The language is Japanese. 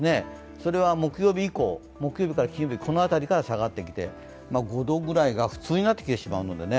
それは木曜日から金曜日から下がってきて、５度ぐらいが普通になってきてしまうのでね。